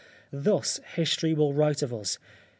Thus history will write of us.